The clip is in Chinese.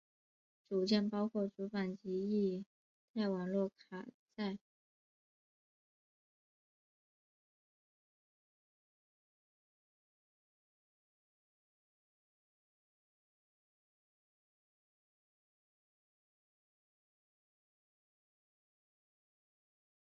组件包括主板及乙太网络卡在移到台湾生产前均为本地生产。